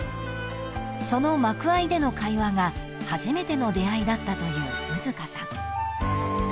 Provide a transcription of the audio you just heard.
［その幕あいでの会話が初めての出会いだったという兎束さん］